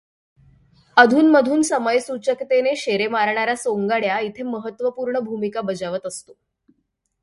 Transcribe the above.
अधूनमधून समयसूचकतेने शेरे मारणारा सोंगाड्या इथे महत्त्वपूर्ण भूमिका बजावत असतो.